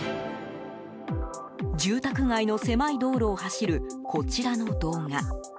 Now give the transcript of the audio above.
住宅街の狭い道路を走るこちらの動画。